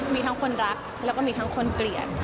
มีทั้งคนรักแล้วก็มีทั้งคนเกลียด